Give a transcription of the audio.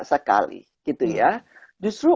sekali gitu ya justru